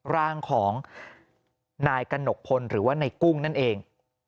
ร่างของนายกระหนกพลหรือว่าในกุ้งนั่นเอง